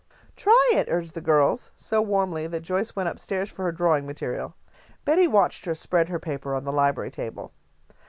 "Try it," urged the girls, so warmly that Joyce went up stairs for her drawing material. Betty watched her spread her paper on the library table.